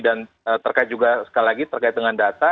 dan terkait juga sekali lagi terkait dengan data